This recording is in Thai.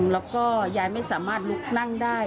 แล้วก็ยายไม่สามารถลุกนั่งได้